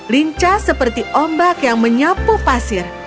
lincah seperti ombak yang menyapu pasir